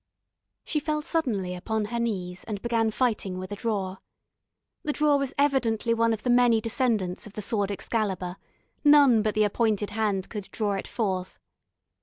She fell suddenly upon her knees and began fighting with a drawer. The drawer was evidently one of the many descendants of the Sword Excalibur none but the appointed hand could draw it forth.